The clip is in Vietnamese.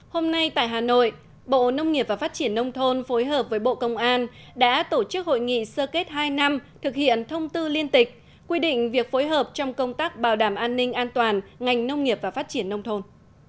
hôm nay tại hà nội bộ nông nghiệp và phát triển nông thôn phối hợp với bộ công an đã tổ chức hội nghị sơ kết hai năm thực hiện thông tư liên tịch quy định việc phối hợp trong công tác bảo đảm an ninh an toàn ngành nông nghiệp và phát triển nông thôn